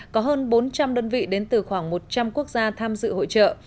có hơn bốn trăm linh đơn vị đến từ khoảng một trăm linh quốc gia tham dự hội trợ